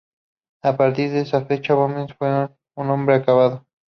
A partir de esa fecha Bohemundo fue un hombre acabado.